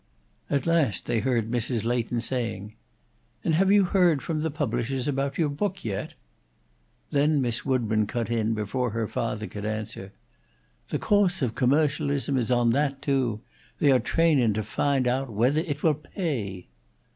At last they heard Mrs. Leighton saying, "And have you heard from the publishers about your book yet?" Then Miss Woodburn cut in, before her father could answer: "The coase of commercialism is on that, too. They are trahing to fahnd oat whethah it will pay."